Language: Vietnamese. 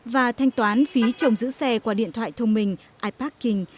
và thanh toán phí trồng giữ xe qua điện thoại thông minh iparking